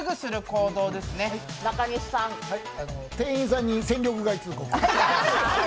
店員さんに戦力外通告。